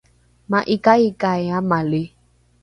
ma’ika’ikai amali